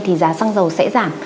thì giá xăng dầu sẽ giảm